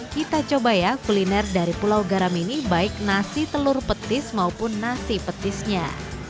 kita coba ya kuliner dari pulau garam ini baik nasi telur petis maupun nasi petisnya